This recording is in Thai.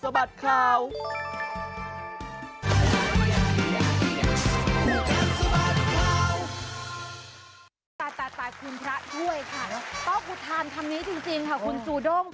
แป๊ะขุตรทานทำนี้จริงค่ะขุนสูดองต์